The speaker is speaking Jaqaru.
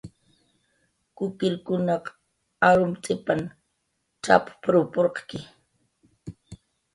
"Kukirkunaq arumt'ipan cx""app""w purqki"